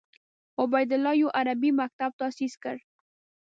عبیدالله یو عربي مکتب تاسیس کړ.